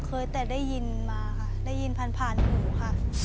เคยแต่ได้ยินมาค่ะได้ยินผ่านผ่านหูค่ะ